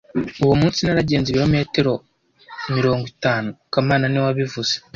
Uwo munsi naragenze ibirometero mirongo itanu kamana niwe wabivuze